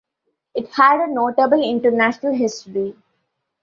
It had a notable international history.